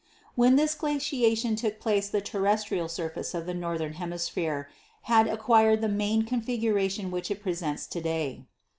"When this glaciation took place the terrestrial surface of the northern hemisphere had acquired the main con figuration which it presents to day.